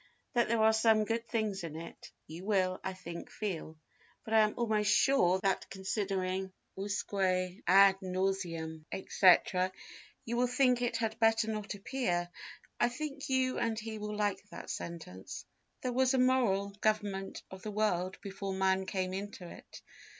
That there are some good things in it you will, I think, feel; but I am almost sure that considering usque ad nauseam etc., you will think it had better not appear. ... I think you and he will like that sentence: 'There was a moral government of the world before man came into it.